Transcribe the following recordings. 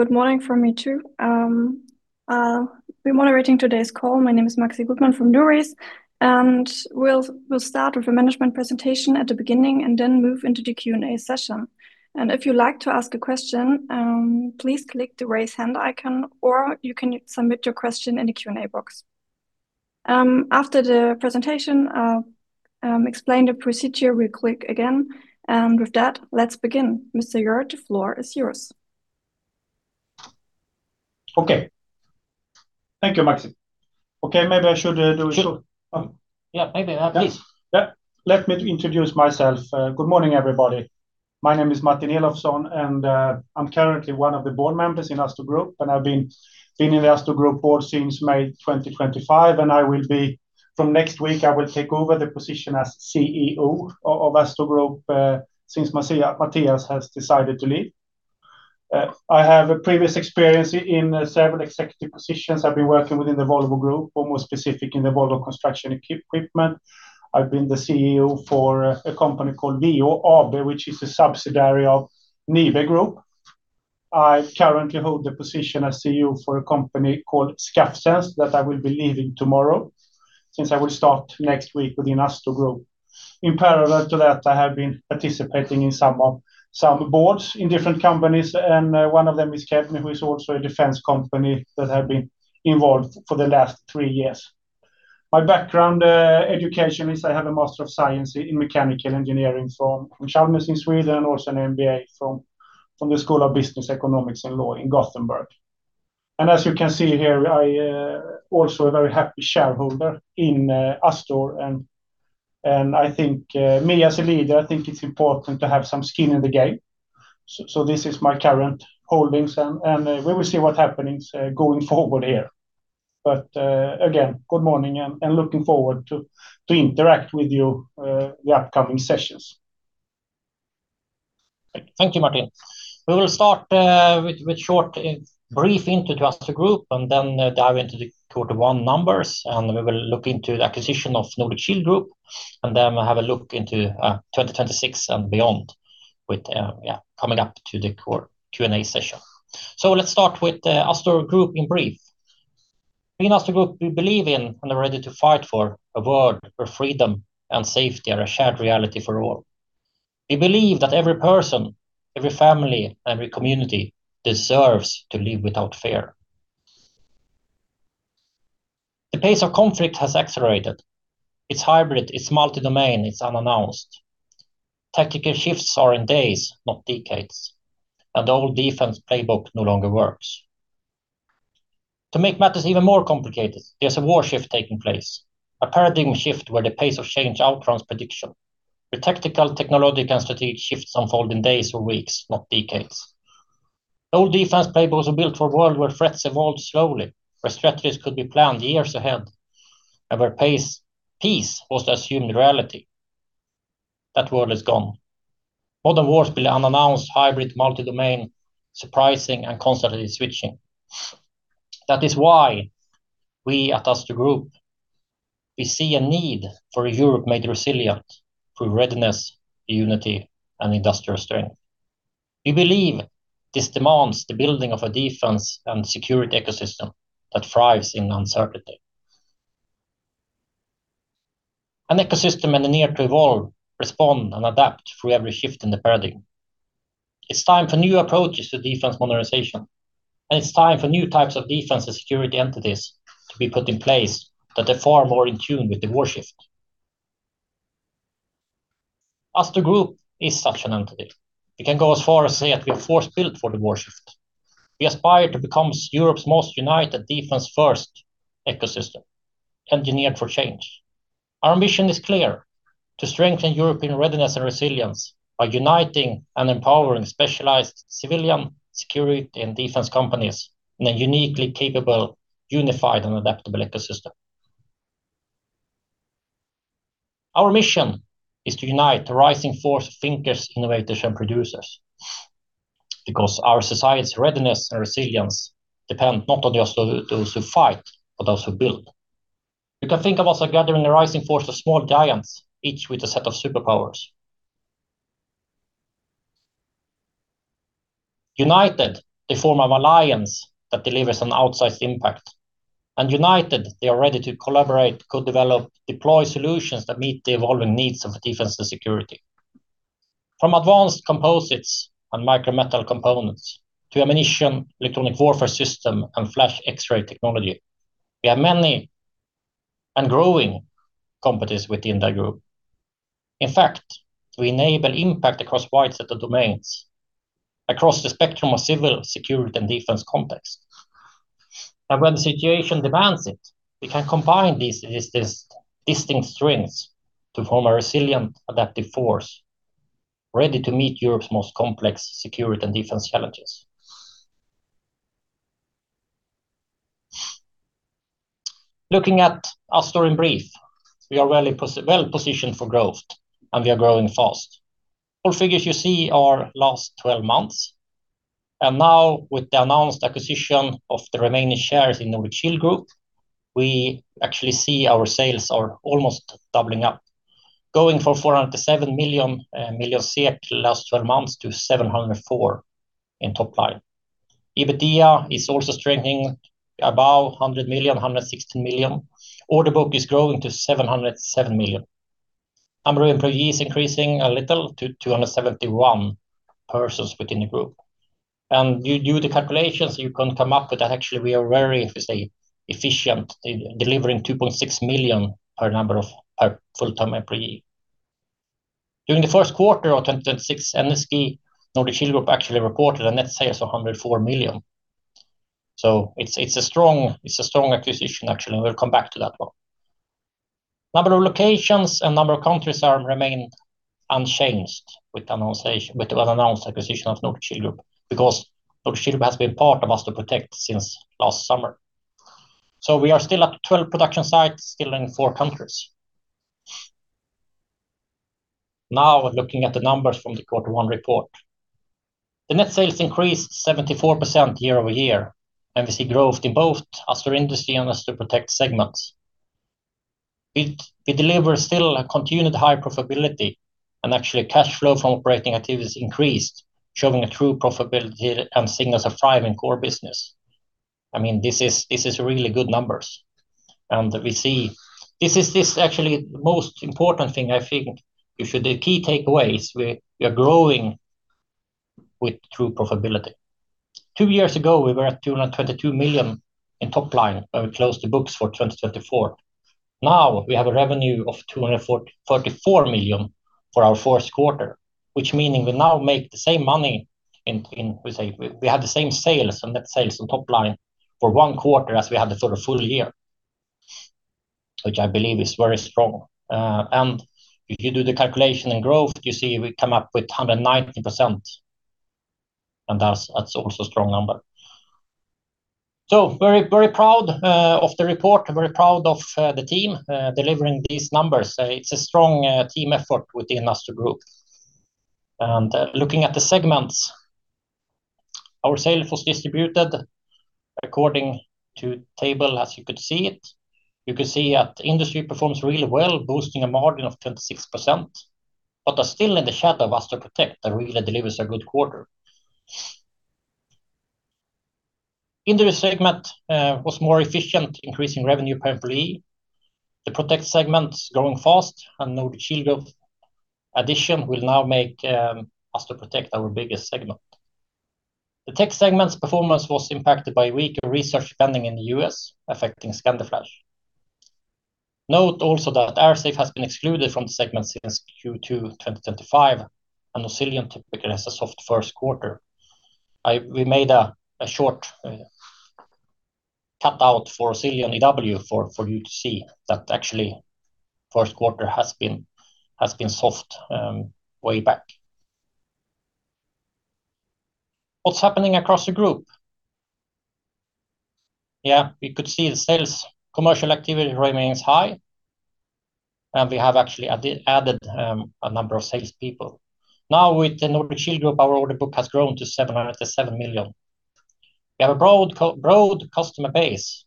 Good morning from me, too. We're moderating today's call. My name is Maxi Goodman from Nourys. We'll start with a management presentation at the beginning and then move into the Q&A session. If you'd like to ask a question, please click the Raise Hand icon, or you can submit your question in the Q&A box. After the presentation, I'll explain the procedure real quick again. With that, let's begin. Mr. Hjorth, the floor is yours. Thank you, Maxi. Yeah, maybe. Please. Yeah. Let me introduce myself. Good morning, everybody. My name is Martin Elovsson, and I'm currently one of the Board Members in Astor Group, and I've been in the Astor Group board since May 2025, and from next week, I will take over the position as CEO of Astor Group, since Mattias has decided to leave. I have a previous experience in several executive positions. I've been working within the Volvo Group or more specific in the Volvo Construction Equipment. I've been the CEO for a company called VEÅ AB, which is a subsidiary of NIBE Group. I currently hold the position as CEO for a company called ScaffSense that I will be leaving tomorrow since I will start next week within Astor Group. In parallel to that, I have been participating in some boards in different companies, one of them is Kebni, who is also a defense company that I have been involved for the last three years. My background, education is I have a Master of Science in Mechanical Engineering from Chalmers in Sweden, also an MBA from the School of Business, Economics and Law in Gothenburg. As you can see here, I also a very happy shareholder in Astor and I think, me as a leader, I think it's important to have some skin in the game. This is my current holdings and we will see what happens going forward here. Again, good morning and looking forward to interact with you the upcoming sessions. Thank you, Martin. We will start with short brief intro to Astor Group and then dive into the Q1 numbers, and we will look into the acquisition of Nordic Shield Group, and then have a look into 2026 and beyond with coming up to the Q&A session. Let's start with Astor Group in brief. In Astor Group, we believe in and are ready to fight for a world where freedom and safety are a shared reality for all. We believe that every person, every family, and every community deserves to live without fear. The pace of conflict has accelerated. It's hybrid, it's multi-domain, it's unannounced. Tactical shifts are in days, not decades, and the old defense playbook no longer works. To make matters even more complicated, there's a war shift taking place, a paradigm shift where the pace of change outruns prediction, with tactical, technological, and strategic shifts unfold in days or weeks, not decades. Old defense playbooks were built for a world where threats evolved slowly, where strategies could be planned years ahead, and where peace was the assumed reality. That world is gone. Modern wars will be unannounced, hybrid, multi-domain, surprising, and constantly switching. That is why we at Astor Group, we see a need for a Europe made resilient through readiness, unity, and industrial strength. We believe this demands the building of a defense and security ecosystem that thrives in uncertainty. An ecosystem engineered to evolve, respond, and adapt through every shift in the paradigm. It's time for new approaches to defense modernization, it's time for new types of defense and security entities to be put in place that are far more in tune with the war shift. Astor Group is such an entity. We can go as far as say that we're force-built for the war shift. We aspire to become Europe's most united defense-first ecosystem, engineered for change. Our mission is clear: to strengthen European readiness and resilience by uniting and empowering specialized civilian security and defense companies in a uniquely capable, unified, and adaptable ecosystem. Our mission is to unite a rising force of thinkers, innovators, and producers because our society's readiness and resilience depend not on just those who fight, but those who build. You can think of us as gathering a rising force of small giants, each with a set of superpowers. United, they form an alliance that delivers an outsized impact. United, they are ready to collaborate, co-develop, deploy solutions that meet the evolving needs of defense and security. From advanced composites and micro metal components to ammunition, electronic warfare system, and flash X-ray technology, we have many and growing competencies within the group. We enable impact across a wide set of domains, across the spectrum of civil, security, and defense context. When the situation demands it, we can combine these distinct strengths to form a resilient, adaptive force ready to meet Europe's most complex security and defense challenges. Looking at Astor in brief, we are well-positioned for growth. We are growing fast. All figures you see are last 12 months. Now, with the announced acquisition of the remaining shares in Nordic Shield Group, we actually see our sales are almost doubling up. Going from 400 million-700 million SEK, SEK last 12 months to 704 million in top line. EBITDA is also strengthening about 116 million. Order book is growing to 707 million. Number of employees increasing a little to 271 persons within the group. You do the calculations, you can come up with that actually we are very, if we say, efficient in delivering 2.6 million per full-time employee. During the first quarter of 2026, NSG, Nordic Shield Group, actually reported a net sales of 104 million. It's a strong acquisition, actually. We'll come back to that one. Number of locations and number of countries are remained unchanged with the announced acquisition of Nordic Shield Group, because Nordic Shield Group has been part of Astor Protect since last summer. We are still at 12 production sites, still in four countries. Looking at the numbers from the quarter one report. The net sales increased 74% year-over-year, and we see growth in both Astor Industry and Astor Protect segments. It delivers still a continued high profitability, and actually cash flow from operating activities increased, showing a true profitability and signals a thriving core business. I mean, this is really good numbers. We see This is, this actually the most important thing, I think. If the key takeaway is we are growing with true profitability. Two years ago, we were at 222 million in top line when we closed the books for 2024. Now we have a revenue of 244 million for our first quarter, which meaning we now make the same money in, we have the same sales and net sales on top line for one quarter as we had for the full year, which I believe is very strong. If you do the calculation and growth, you see we come up with 190%, that's also a strong number. Very, very proud of the report and very proud of the team delivering these numbers. It's a strong team effort within Astor Group. Looking at the segments, our sales was distributed according to table as you could see it. You can see that Astor Industry performs really well, boosting a margin of 26%. Are still in the shadow of Astor Protect that really delivers a good quarter. Astor Industry segment was more efficient, increasing revenue per employee. The Astor Protect segment's growing fast, Nordic Shield Group addition will now make Astor Protect our biggest segment. The Tech segment's performance was impacted by weaker research spending in the U.S., affecting Scandiflash. Note also that Airsafe has been excluded from the segment since Q2 2025, Oscilion typically has a soft first quarter. We made a short cut out for Oscilion EW for you to see that actually first quarter has been soft way back. What's happening across the group? Yeah, we could see the sales commercial activity remains high, and we have actually added a number of sales people. Now, with the Nordic Shield Group, our order book has grown to 707 million. We have a broad customer base,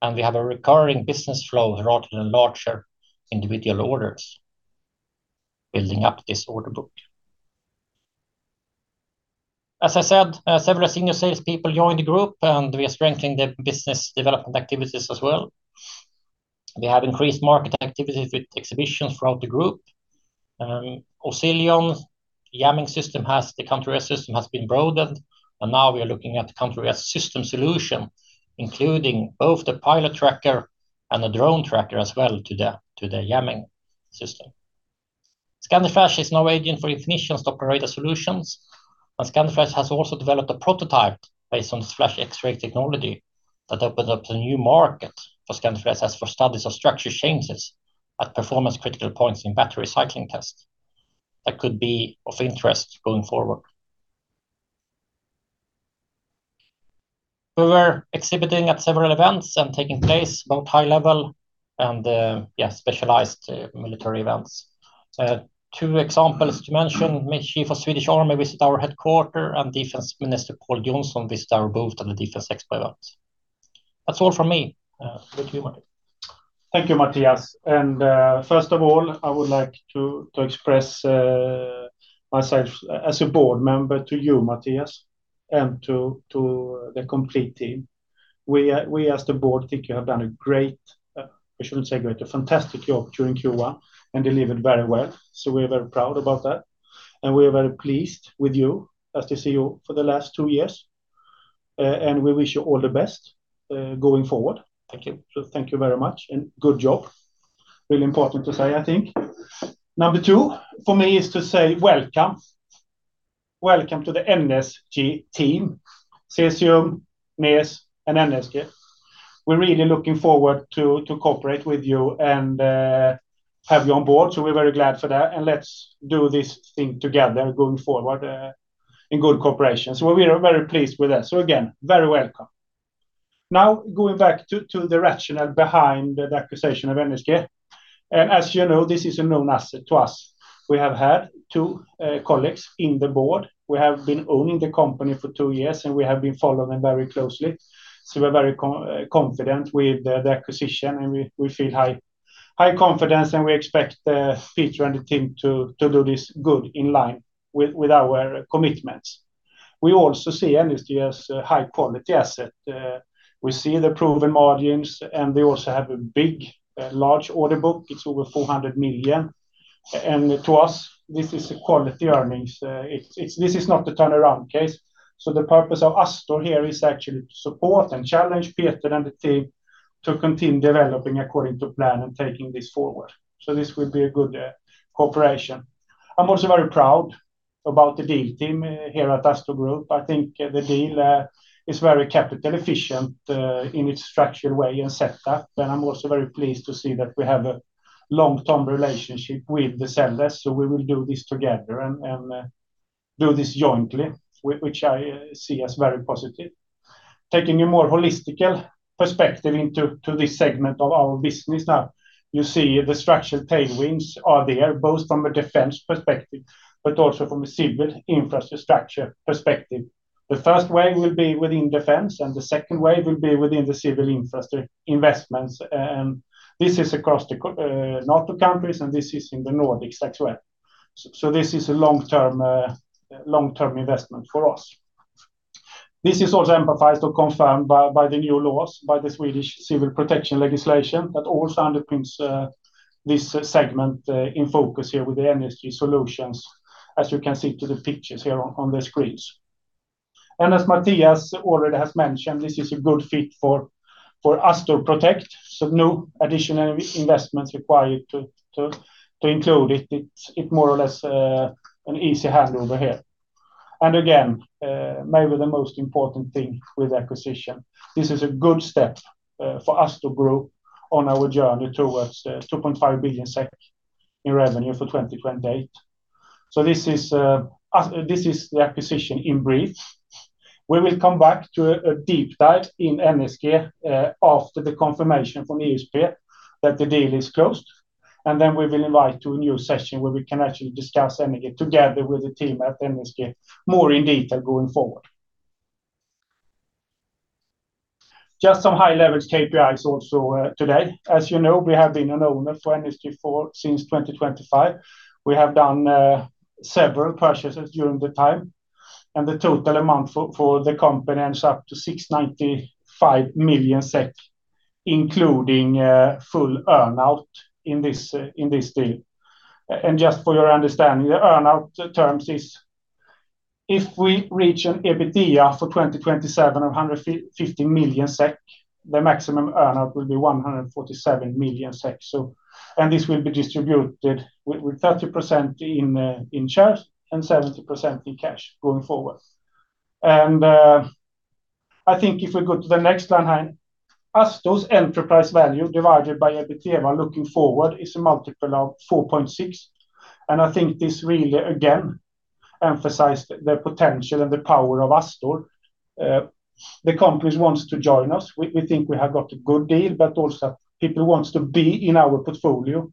and we have a recurring business flow rather than larger individual orders building up this order book. As I said, several senior sales people joined the group, and we are strengthening the business development activities as well. We have increased market activities with exhibitions throughout the group. Oscilion jamming system has the counter-UAS system has been broadened, and now we are looking at the counter-UAS system solution, including both the pilot tracker and the drone tracker as well to the jamming system. Scandiflash is now agent for INFINITION's operator solutions, Scandiflash has also developed a prototype based on flash X-ray technology that opened up the new market for Scandiflash as for studies of structure changes at performance critical points in battery cycling tests. That could be of interest going forward. We were exhibiting at several events taking place both high level and, yeah, specialized military events. Two examples to mention, Chief of Swedish Army visit our headquarter, Defence Minister Pål Jonson visit our booth at the Defence Expo event. That's all from me. Over to you, Martin. Thank you, Mattias. First of all, I would like to express myself as a Board Member to you, Mattias, and to the complete team. We as the board think you have done a great, I shouldn't say great, a fantastic job during Q1 and delivered very well. We're very proud about that, and we are very pleased with you as the CEO for the last two years, and we wish you all the best going forward. Thank you. Thank you very much and good job. Really important to say, I think. Number two for me is to say welcome. Welcome to the NSG team, Cesium, NEZ, and NSG. We're really looking forward to cooperate with you and have you on board. We're very glad for that, and let's do this thing together going forward in good cooperation. We are very pleased with that. Again, very welcome. Now, going back to the rationale behind the acquisition of NSG. As you know, this is a known asset to us. We have had two colleagues in the board. We have been owning the company for two years, and we have been following very closely. We're very confident with the acquisition, and we feel high confidence, and we expect Peter and the team to do this good in line with our commitments. We also see NSG as a high-quality asset. We see the proven margins, and they also have a large order book. It's over 400 million. To us, this is a quality earnings. This is not a turnaround case. The purpose of Astor here is actually to support and challenge Peter and the team to continue developing according to plan and taking this forward. This will be a good cooperation. I'm also very proud about the deal team here at Astor Group. I think the deal is very capital efficient in its structured way and setup. I'm also very pleased to see that we have a long-term relationship with the sellers, so we will do this together and do this jointly, which I see as very positive. Taking a more holistic perspective into this segment of our business now, you see the structural tailwinds are there, both from a defense perspective but also from a civil infrastructure perspective. The first wave will be within defense, the second wave will be within the civil infrastructure investments. This is across the NATO countries, this is in the Nordics as well. This is a long-term, long-term investment for us. This is also emphasized or confirmed by the new laws, by the Swedish civil protection legislation that also underpins this segment in focus here with the NSG solutions, as you can see to the pictures here on the screens. As Mattias already has mentioned, this is a good fit for Astor Protect, so no additional investments required to include it. It more or less an easy handover here. Again, maybe the most important thing with acquisition, this is a good step for Astor Group on our journey towards 2.5 billion SEK in revenue for 2028. This is the acquisition in brief. We will come back to a deep dive in NSG after the confirmation from ISP that the deal is closed, and then we will invite to a new session where we can actually discuss NSG together with the team at NSG more in detail going forward. Just some high-level KPIs also today. As you know, we have been an owner for NSG since 2025. We have done several purchases during the time, and the total amount for the company ends up to 695 million SEK, including full earn-out in this deal. Just for your understanding, the earn-out terms is if we reach an EBITDA for 2027 of 150 million SEK, the maximum earn-out will be 147 million SEK. And this will be distributed with 30% in shares and 70% in cash going forward. I think if we go to the next line here, Astor's enterprise value divided by EBITDA looking forward is a multiple of 4.6, and I think this really, again, emphasized the potential and the power of Astor. The companies wants to join us. We think we have got a good deal, but also people wants to be in our portfolio,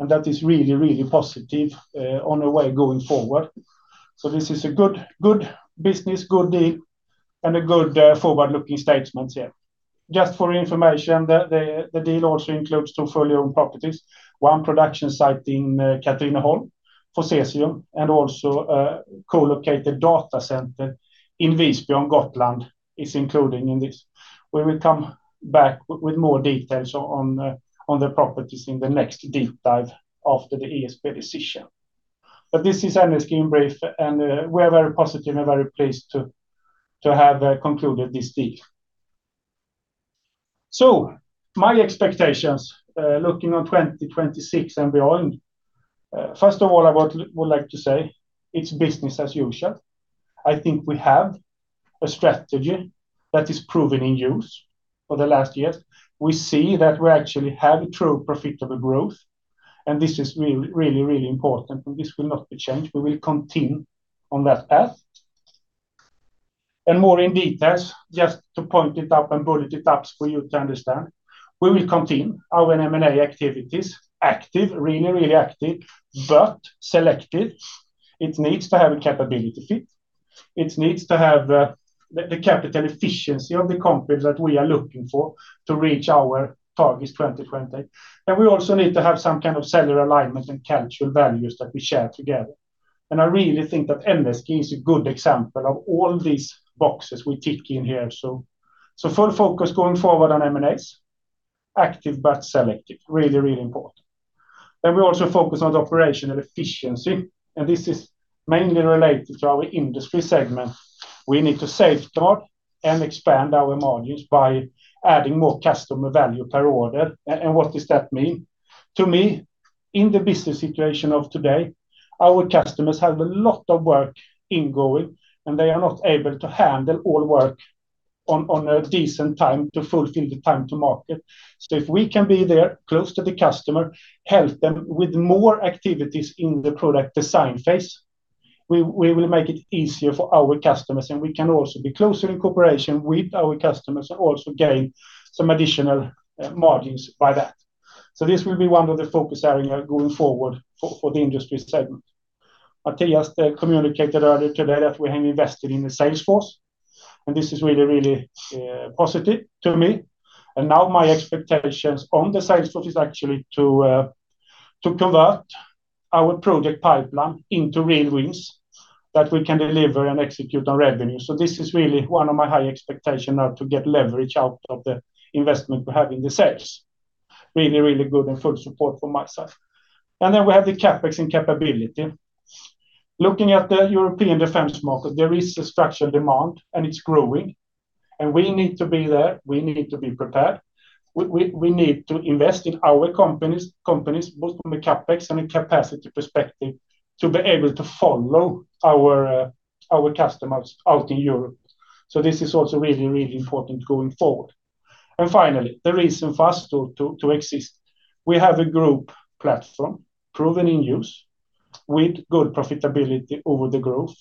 and that is really positive on a way going forward. This is a good business, good deal, and a good forward-looking statements here. Just for information, the deal also includes two fully owned properties, one production site in Katrineholm for Cesium, and also a co-located data center in Visby on Gotland is included in this. We will come back with more details on the properties in the next deep dive after the ISP decision. This is NSG in brief, and we're very positive and very pleased to have concluded this deal. My expectations, looking on 2026 and beyond, first of all, I would like to say it's business as usual. I think we have a strategy that is proven in use for the last years. We see that we actually have a true profitable growth, and this is really important. This will not be changed. We will continue on that path. More in details, just to point it up and bullet it up for you to understand, we will continue our M&A activities. Active, really active, but selective. It needs to have a capability fit. It needs to have the capital efficiency of the companies that we are looking for to reach our targets 2020. We also need to have some kind of seller alignment and cultural values that we share together. I really think that NSG is a good example of all these boxes we tick in here. Full focus going forward on M&As. Active but selective, really important. We also focus on the operational efficiency, and this is mainly related to our Industry segment. We need to safeguard and expand our margins by adding more customer value per order. What does that mean? To me, in the business situation of today, our customers have a lot of work ingoing, and they are not able to handle all work on a decent time to fulfill the time to market. If we can be there close to the customer, help them with more activities in the product design phase, we will make it easier for our customers, and we can also be closer in cooperation with our customers and also gain some additional margins by that. This will be one of the focus area going forward for the Industry segment. Mattias communicated earlier today that we have invested in the sales force, and this is really positive to me. Now my expectations on the sales force is actually to convert our project pipeline into real wins that we can deliver and execute on revenue. This is really one of my high expectation now to get leverage out of the investment we have in the sales. Really good and full support for myself. We have the CapEx and capability. Looking at the European defense market, there is a structural demand, and it's growing, and we need to be there. We need to be prepared. We need to invest in our companies both from a CapEx and a capacity perspective to be able to follow our customers out in Europe. This is also really important going forward. Finally, the reason for us to exist. We have a group platform proven in use with good profitability over the growth.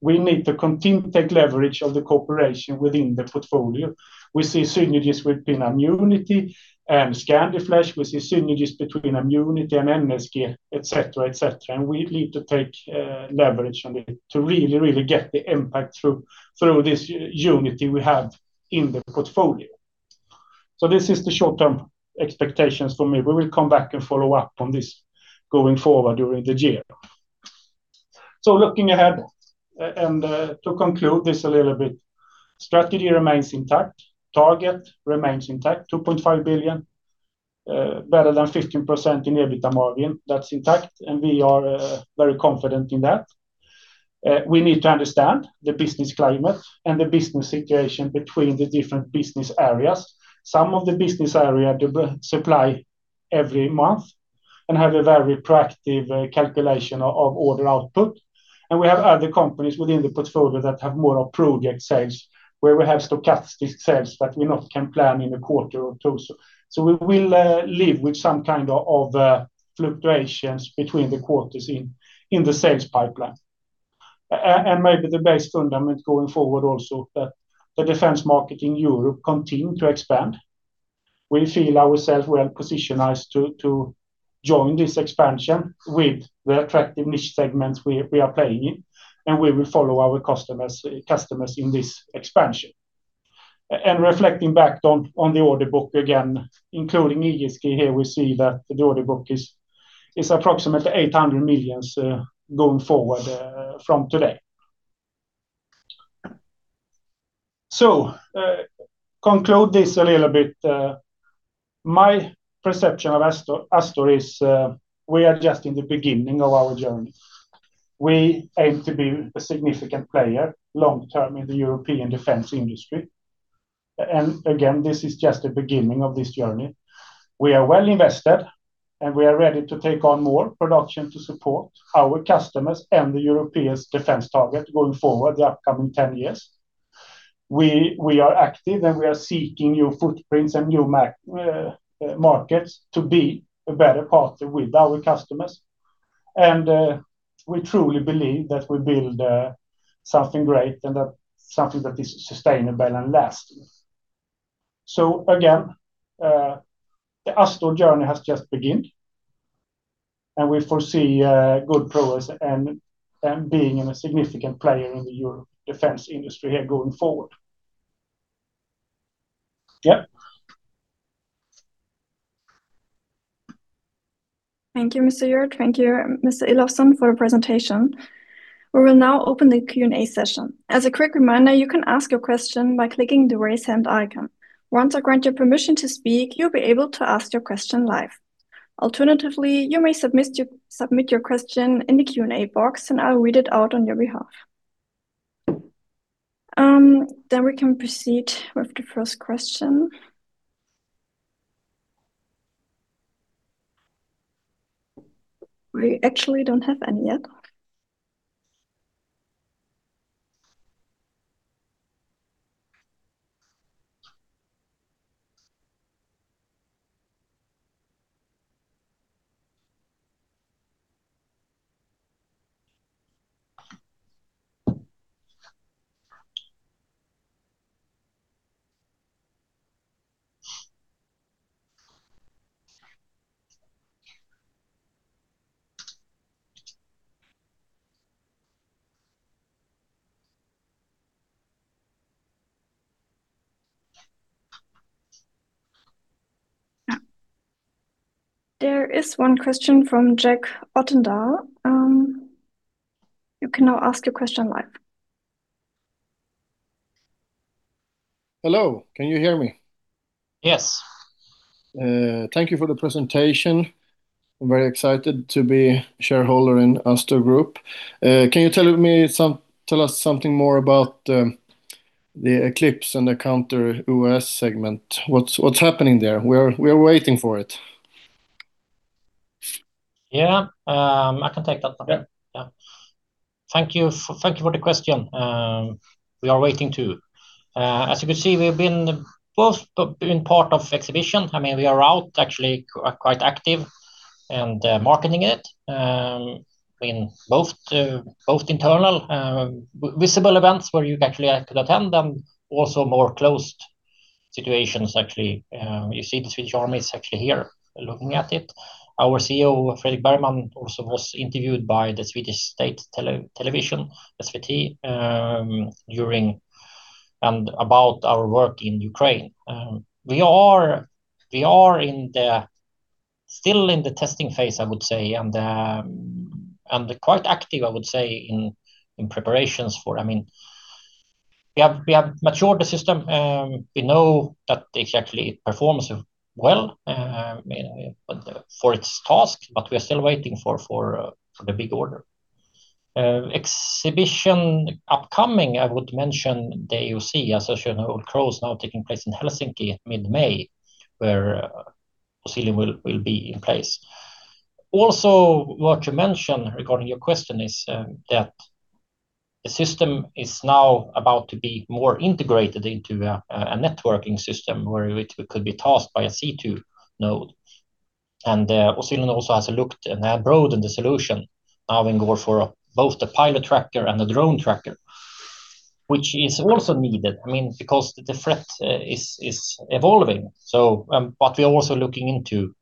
We need to continue to take leverage of the cooperation within the portfolio. We see synergies between Ammunity and Scandiflash. We see synergies between Ammunity and NSG, et cetera, et cetera. We need to take leverage and to really get the impact through this unity we have in the portfolio. This is the short-term expectations for me. We will come back and follow-up on this going forward during the year. Looking ahead, and to conclude this a little bit, strategy remains intact. Target remains intact. 2.5 billion, better than 15% in EBITDA margin. That's intact, and we are very confident in that. We need to understand the business climate and the business situation between the different business areas. Some of the business area do supply every month and have a very proactive calculation of order output. We have other companies within the portfolio that have more of project sales, where we have stochastic sales that we not can plan in a quarter or two. We will live with some kind of fluctuations between the quarters in the sales pipeline. Maybe the best fundament going forward also that the defense market in Europe continue to expand. We feel ourself well-positioned to join this expansion with the attractive niche segments we are playing in, and we will follow our customers in this expansion. Reflecting back on the order book again, including ESG here, we see that the order book is approximately 800 million going forward from today. Conclude this a little bit. My perception of Astor is, we are just in the beginning of our journey. We aim to be a significant player long-term in the European defense industry. Again, this is just the beginning of this journey. We are well-invested, and we are ready to take on more production to support our customers and the European defense target going forward the upcoming 10 years. We are active, we are seeking new footprints and new markets to be a better partner with our customers. We truly believe that we build something great and something that is sustainable and lasting. Again, the Astor journey has just begun, and we foresee good progress and being a significant player in the European defense industry here going forward. Yep. Thank you, Mr. Hjorth. Thank you, Mr. Elovsson, for your presentation. We will now open the Q&A session. As a quick reminder, you can ask your question by clicking the raise hand icon. Once I grant you permission to speak, you'll be able to ask your question live. Alternatively, you may submit your question in the Q&A box, and I'll read it out on your behalf. We can proceed with the first question. We actually don't have any yet. There is one question from Jack Ottendal. You can now ask your question live. Hello. Can you hear me? Yes. Thank you for the presentation. I'm very excited to be shareholder in Astor Group. Can you tell us something more about the Eclipse and the counter-UAS segment? What's happening there? We're waiting for it. Yeah. I can take that one. Yeah. Thank you thank you for the question. We are waiting too. As you can see, we've been both been part of exhibition. I mean, we are out actually quite active and marketing it in both both internal visible events where you actually could attend and also more closed situations actually. You see the Swedish Army is actually here looking at it. Our CEO, Fredrik Bergman, also was interviewed by the Swedish state television, SVT, during and about our work in Ukraine. We are still in the testing phase, I would say, and quite active, I would say, in preparations for I mean, we have matured the system. We know that it actually performs well for its task, but we are still waiting for the big order. Exhibition upcoming, I would mention the AOC Europe, Association of Old Crows now taking place in Helsinki mid-May, where Oscilion will be in place. Also, what you mentioned regarding your question is that the system is now about to be more integrated into a networking system where it could be tasked by a C2 node. Oscilion also has looked and have broadened the solution, now in go for both the pilot tracker and the drone tracker, which is also needed, I mean, because the threat is evolving. But we are also looking into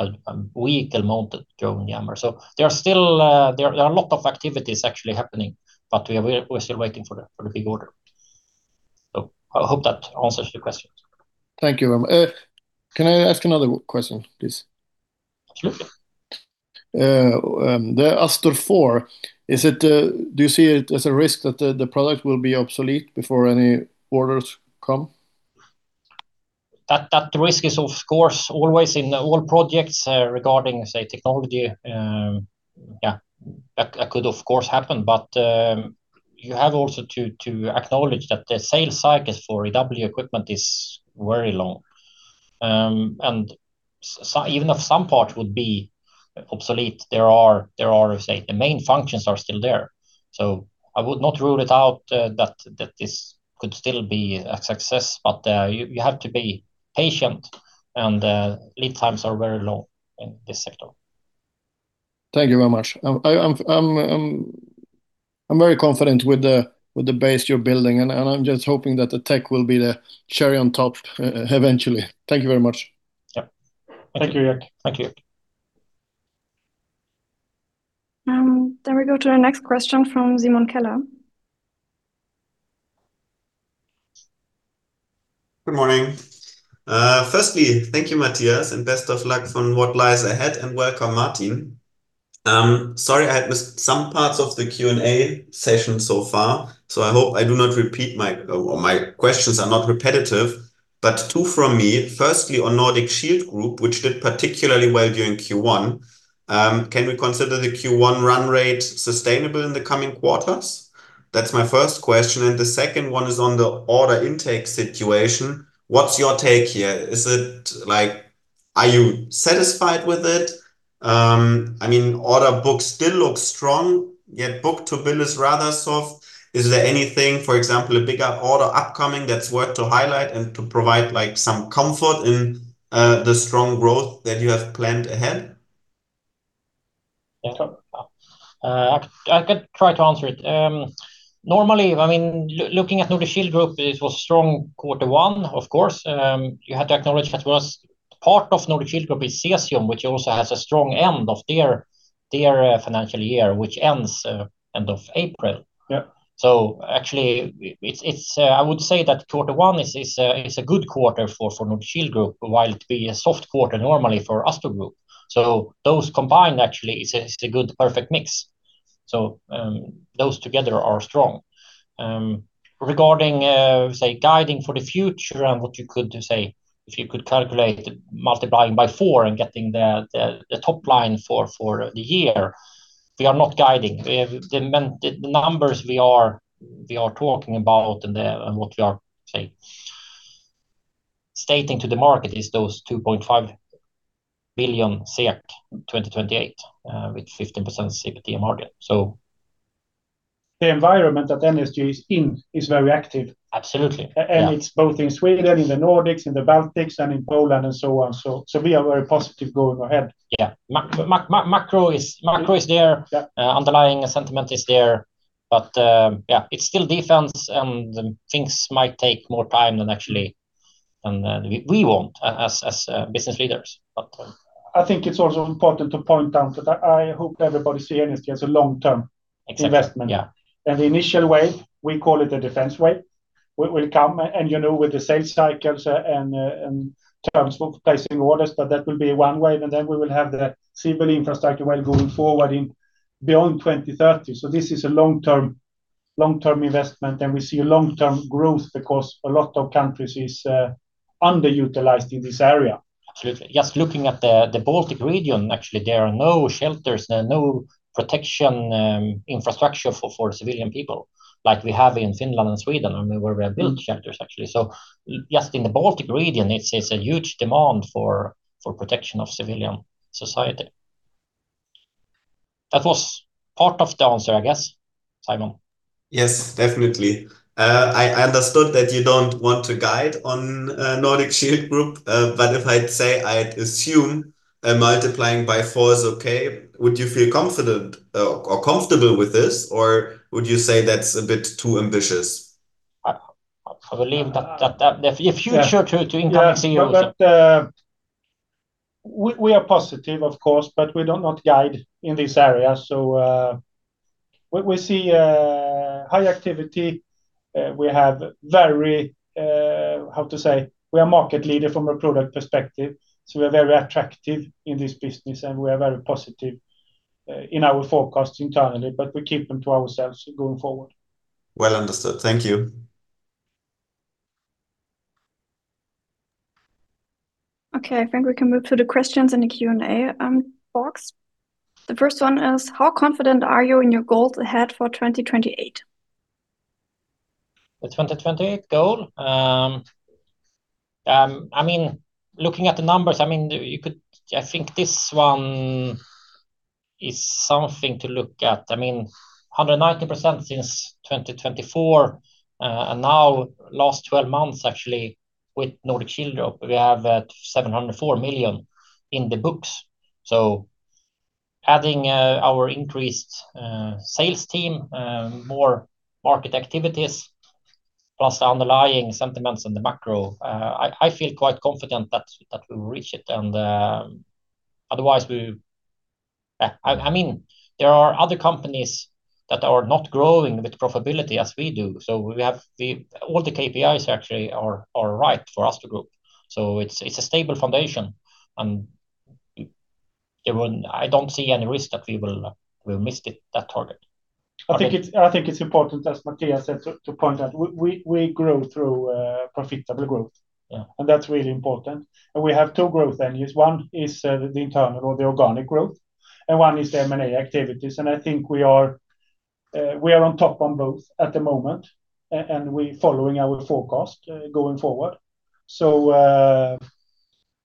a vehicle-mounted drone jammer. There are still, there are a lot of activities actually happening, but we're still waiting for the, for the big order. I hope that answers the question. Thank you. Can I ask another question, please? Sure. The Astor IV, is it, do you see it as a risk that the product will be obsolete before any orders come? That risk is of course always in all projects, regarding, say, technology. Yeah, that could of course happen, but you have also to acknowledge that the sales cycle for EW equipment is very long. Even if some part would be obsolete, there are, say, the main functions are still there. I would not rule it out that this could still be a success. You have to be patient and lead times are very long in this sector. Thank you very much. I'm very confident with the base you're building, and I'm just hoping that the tech will be the cherry on top eventually. Thank you very much. Yeah. Thank you, Jack. Thank you. We go to our next question from Simon Keller. Good morning. Firstly, thank you, Mattias, and best of luck on what lies ahead, and welcome, Martin. Sorry I had missed some parts of the Q&A session so far, so I hope my questions are not repetitive. Two from me. Firstly, on Nordic Shield Group, which did particularly well during Q1, can we consider the Q1 run rate sustainable in the coming quarters? That's my first question, and the second one is on the order intake situation. What's your take here? Is it like, are you satisfied with it? I mean order book still looks strong, yet book-to-bill is rather soft. Is there anything, for example, a bigger order upcoming that's worth to highlight and to provide like some comfort in the strong growth that you have planned ahead? Yeah. I could try to answer it. I mean, looking at Nordic Shield Group, it was strong quarter one, of course. You have to acknowledge that was part of Nordic Shield Group is Cesium, which also has a strong end of their financial year, which ends end of April. Yeah. Actually, it's I would say that quarter one is a good quarter for Nordic Shield Group, while it be a soft quarter normally for Astor Group. Those combined actually is a good perfect mix. Those together are strong. Regarding, say guiding for the future and what you could say if you could calculate multiplying by four and getting the top line for the year, we are not guiding. We have the numbers we are talking about and what we are, say, stating to the market is those 2.5 billion in 2028 with 15% EBITDA margin. The environment that NSG is in is very active. Absolutely. Yeah. It's both in Sweden, in the Nordics, in the Baltics, and in Poland and so on. We are very positive going ahead. Yeah. Macro is there. Yeah. Underlying sentiment is there. Yeah, it's still defense and things might take more time than actually, than we want as business leaders. I think it's also important to point out that I hope everybody see NSG as a long-term- Exactly investment. Yeah. The initial wave, we call it the defense wave, will come and, you know, with the sales cycles, and terms for placing orders, but that will be one wave, and then we will have the civil infrastructure wave going forward in beyond 2030. This is a long-term, long-term investment, and we see a long-term growth because a lot of countries is underutilized in this area. Absolutely. Just looking at the Baltic region, actually, there are no shelters, no protection infrastructure for civilian people. Like we have in Finland and Sweden, I mean, where we have built shelters actually. Just in the Baltic region, it's a huge demand for protection of civilian society. That was part of the answer, I guess, Simon. Yes, definitely. I understood that you don't want to guide on Nordic Shield Group. If I'd say I'd assume, multiplying by four is okay, would you feel confident or comfortable with this? Would you say that's a bit too ambitious? I believe that the future. Yeah to increase Yeah even further. We are positive, of course, but we do not guide in this area. We see high activity. We have very, how to say? We are market leader from a product perspective, so we are very attractive in this business, and we are very positive in our forecast internally, but we keep them to ourselves going forward. Well understood. Thank you. Okay. I think we can move to the questions in the Q&A box. The first one is: how confident are you in your goals ahead for 2028? The 2028 goal? I mean, looking at the numbers, I mean, you could I think this one is something to look at. I mean, 119% since 2024. Now last 12 months actually with Nordic Shield Group, we have 704 million in the books. Adding our increased sales team, more market activities, plus the underlying sentiments and the macro, I feel quite confident that we'll reach it. Otherwise we, I mean, there are other companies that are not growing with profitability as we do. All the KPIs actually are right for us to group. It's a stable foundation and there won't, I don't see any risk that we'll miss it, that target. I think it's- I think- I think it's important, as Mattias said, to point out we grow through profitable growth. Yeah. That's really important. We have two growth engines. One is the internal, the organic growth, and one is the M&A activities. I think we are, we are on top on both at the moment and we following our forecast going forward.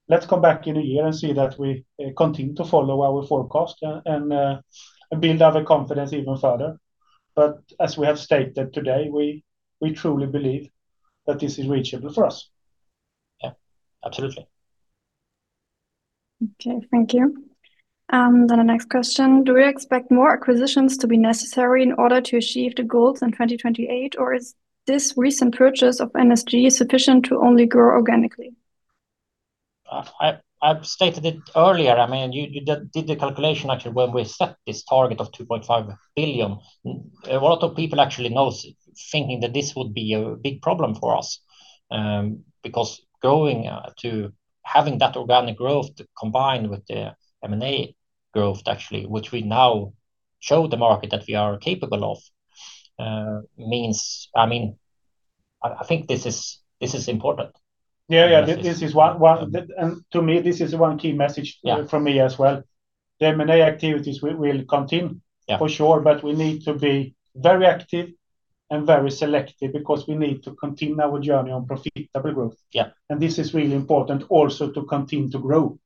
Let's come back in a year and see that we continue to follow our forecast and build our confidence even further. As we have stated today, we truly believe that this is reachable for us. Yeah, absolutely. Okay. Thank you. The next question: do we expect more acquisitions to be necessary in order to achieve the goals in 2028? Or is this recent purchase of NSG sufficient to only grow organically? I've stated it earlier, I mean, you did the calculation actually when we set this target of 2.5 billion. A lot of people actually knows, thinking that this would be a big problem for us, because growing to having that organic growth combined with the M&A growth actually, which we now show the market that we are capable of, means I mean, I think this is important. Yeah. Yeah. This is- This is one. To me, this is 1 key message. Yeah from me as well. The M&A activities will continue. Yeah For sure, we need to be very active and very selective because we need to continue our journey on profitable growth. Yeah. This is really important also to continue to grow.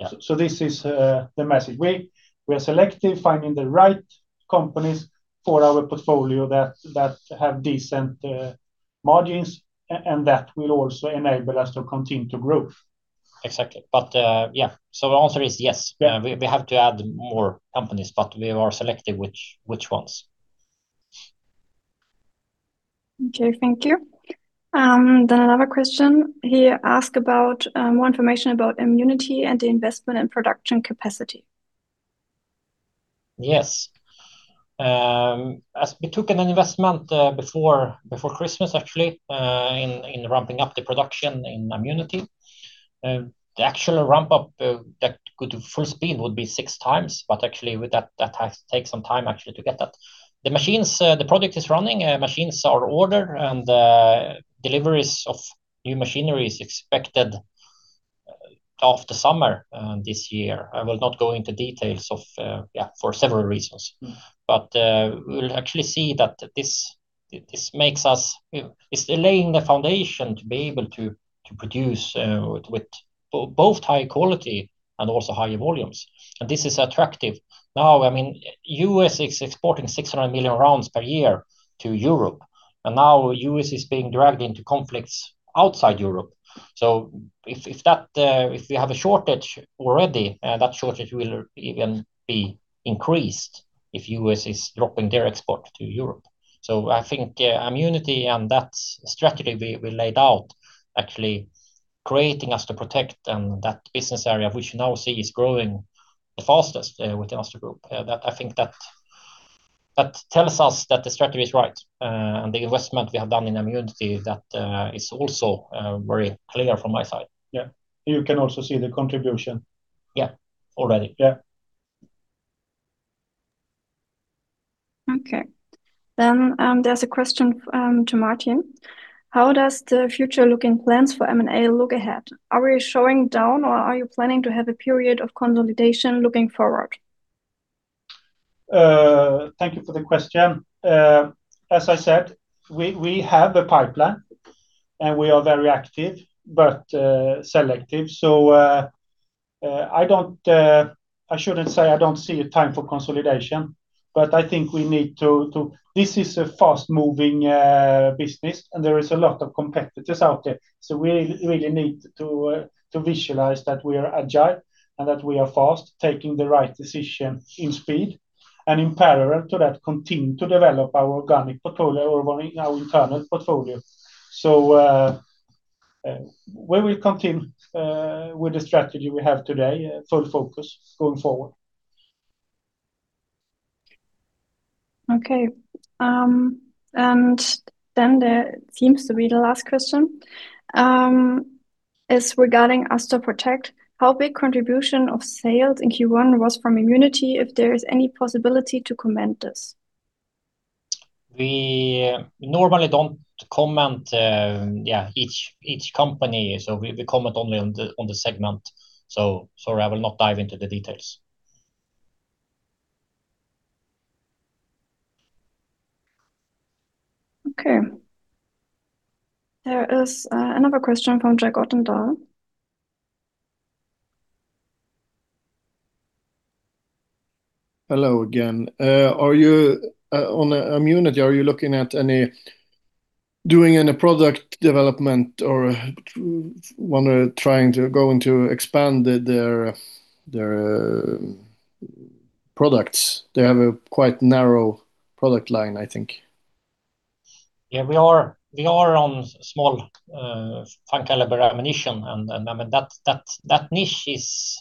Yeah. This is, the message. We are selective, finding the right companies for our portfolio that have decent margins and that will also enable us to continue to grow. Exactly. Yeah, the answer is yes. Yeah. We have to add more companies, but we are selective which ones. Okay. Thank you. Another question. He ask about more information about Ammunity and the investment and production capacity. Yes. As we took an investment, before Christmas actually, in ramping up the production in Ammunity, the actual ramp up, that go to full speed would be 6x, but actually with that has take some time actually to get that. The machines, the project is running. Machines are ordered, and deliveries of new machinery is expected, after summer, this year. I will not go into details of, yeah, for several reasons. We'll actually see that this makes us You know, it's laying the foundation to be able to produce with both high quality and also higher volumes. This is attractive. U.S. is exporting 600 million rounds per year to Europe, and U.S. is being dragged into conflicts outside Europe. If that, if we have a shortage already, that shortage will even be increased if U.S. is dropping their export to Europe. I think Ammunity and that strategy we laid out actually creating us to protect and that business area which we now see is growing the fastest with the Astor Group. That I think that tells us that the strategy is right. The investment we have done in Ammunity, that, is also very clear from my side. Yeah. You can also see the contribution. Yeah. Already. Yeah. Okay. There's a question to Martin. How does the future looking plans for M&A look ahead? Are we slowing down, or are you planning to have a period of consolidation looking forward? Thank you for the question. As I said, we have a pipeline, and we are very active, but selective. I don't I shouldn't say I don't see a time for consolidation, but I think we need to. This is a fast-moving business, and there is a lot of competitors out there. We really need to visualize that we are agile and that we are fast, taking the right decision in speed. In parallel to that, continue to develop our organic portfolio or our internal portfolio. We will continue with the strategy we have today, full focus going forward. Okay. There seems to be the last question is regarding Astor Protect. How big contribution of sales in Q1 was from Ammunity, if there is any possibility to comment this? We normally don't comment, each company. We comment only on the segment. Sorry, I will not dive into the details. Okay. There is another question from Jack Ottendal. Hello again. Are you on Ammunity, are you looking at doing any product development or wanna trying to go into expand their products? They have a quite narrow product line, I think. Yeah, we are on small caliber ammunition, and, I mean, that niche is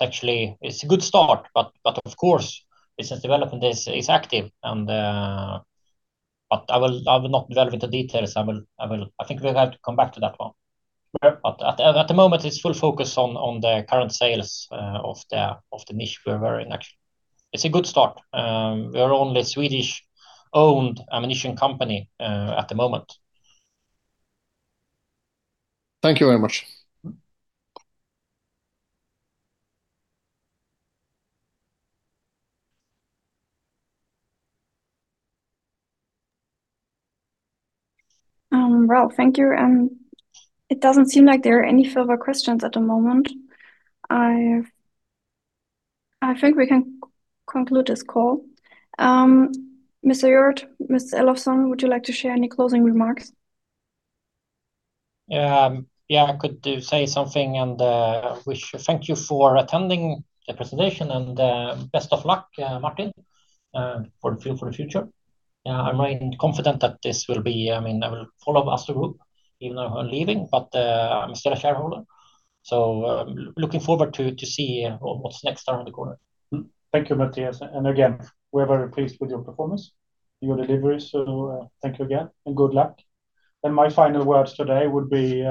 actually a good start. Of course, business development is active. I will not delve into details. I think we'll have to come back to that one. At the moment, it's full focus on the current sales of the niche we are very in actually. It's a good start. We are only Swedish-owned ammunition company at the moment. Thank you very much. Well, thank you. It doesn't seem like there are any further questions at the moment. I think we can conclude this call. Mr. Hjorth, Mr. Elovsson, would you like to share any closing remarks? Yeah, I could do say something and wish thank you for attending the presentation and best of luck, Martin, for the future. I'm very confident that this will be, I mean, I will follow up Astor Group even though I'm leaving, but I'm still a shareholder. Looking forward to see what's next around the corner. Thank you, Mattias. Again, we're very pleased with your performance, your delivery. Thank you again and good luck. My final words today would be,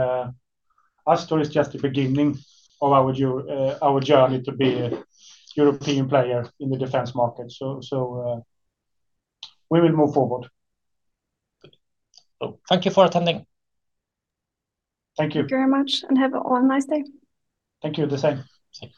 Astor is just the beginning of our journey to be a European player in the defense market. We will move forward. Thank you for attending. Thank you. Thank you very much, and have a nice day. Thank you. The same. Thank you.